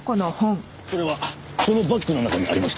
それはそのバッグの中にありました。